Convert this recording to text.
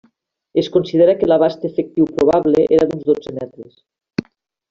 Es considera que l'abast efectiu probable era d'uns dotze metres.